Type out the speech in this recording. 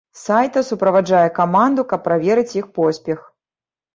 Сайта суправаджае каманду, каб праверыць іх поспех.